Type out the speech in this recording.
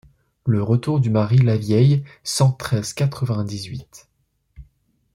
Le retour du mary Lavieille cent treize quatre-vingt-dix-huit.